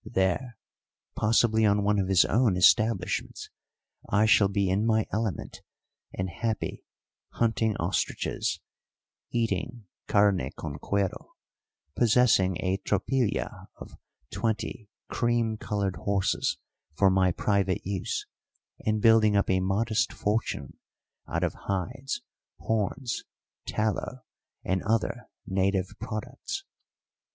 There, possibly on one of his own establishments, I shall be in my element and happy, hunting ostriches, eating carne con cuero, possessing a tropilla of twenty cream coloured horses for my private use, and building up a modest fortune out of hides, horns, tallow, and other native products.